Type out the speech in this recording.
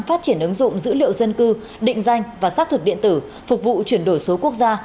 phát triển ứng dụng dữ liệu dân cư định danh và xác thực điện tử phục vụ chuyển đổi số quốc gia